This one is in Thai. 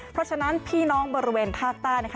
เพราะฉะนั้นพี่น้องบริเวณภาคใต้นะคะ